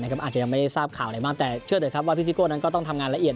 อาจจะยังไม่ทราบข่าวอะไรมากแต่เชื่อเถอะครับว่าพี่ซิโก้นั้นก็ต้องทำงานละเอียด